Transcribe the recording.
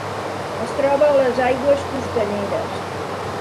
Es troba a les aigües costaneres.